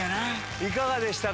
いかがでしたか？